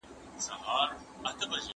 ښځې مهارت ترلاسه کوي.